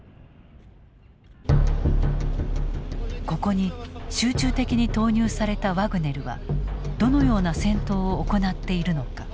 ここに集中的に投入されたワグネルはどのような戦闘を行っているのか。